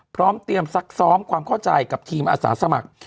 พร้อมเตรียมซักซ้อมความเข้าใจกับทีมอาสาสมัคร